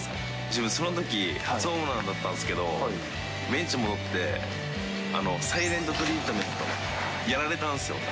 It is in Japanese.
自分、そのとき、初ホームランだったんですけど、ベンチ戻って、サイレントトリートメント、やられたんすよ。